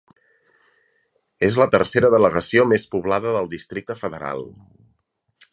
És la tercera delegació més poblada del Districte Federal.